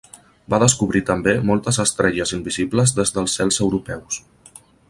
Va descobrir també moltes estrelles invisibles des dels cels europeus.